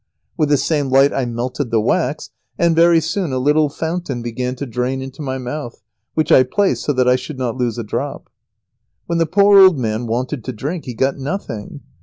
With the same light I melted the wax, and very soon a little fountain began to drain into my mouth, which I placed so that I should not lose a drop. When the poor old man wanted to drink he got nothing.